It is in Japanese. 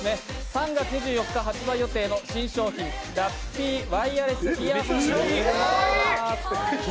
３月１４日発売予定の新商品、ラッピーワイヤレスイヤホンです。